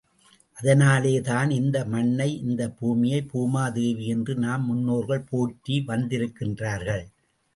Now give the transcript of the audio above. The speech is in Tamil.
அதனாலே தான் இந்த மண்ணை, இந்த பூமியைப் பூமா தேவி என்று நம் முன்னோர்கள் போற்றி வந்திருக்கின்றார்கள்.